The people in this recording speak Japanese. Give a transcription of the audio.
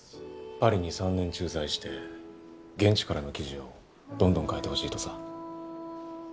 パリに３年駐在して現地からの記事をどんどん書いてほしいとさ。